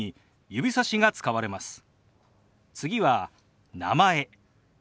次は「名前」。